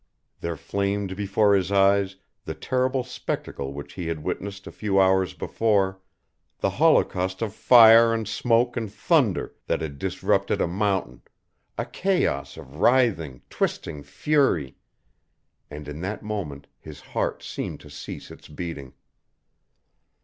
There flamed before his eyes the terrible spectacle which he had witnessed a few hours before the holocaust of fire and smoke and thunder that had disrupted a mountain, a chaos of writhing, twisting fury, and in that moment his heart seemed to cease its beating.